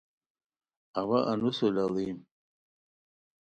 اوا انوسو لاڑیم